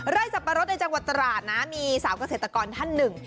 สับปะรดในจังหวัดตราดนะมีสาวเกษตรกรท่านหนึ่ง